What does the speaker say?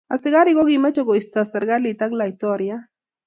Askarik ko kimeche koista serikalit ak laitoriat